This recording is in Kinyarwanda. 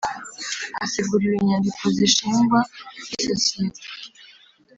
Haseguriwe inyandiko z’ishingwa ry’isosiyete